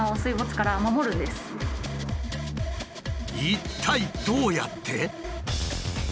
一体どうやって？